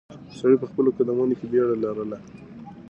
سړی په خپلو قدمونو کې بیړه لرله.